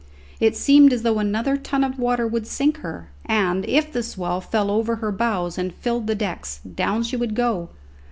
It seemed as though another ton of water would sink her; and if the swell fell over her bows and filled the decks, down she would go.